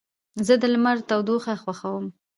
زه د لمر تودوخه خوښوم.